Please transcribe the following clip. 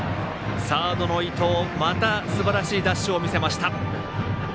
サードの伊藤、またすばらしいダッシュを見せました。